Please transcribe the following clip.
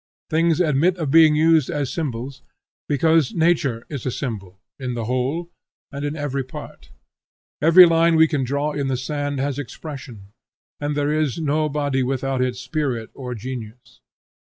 Things admit of being used as symbols because nature is a symbol, in the whole, and in every part. Every line we can draw in the sand has expression; and there is no body without its spirit or genius.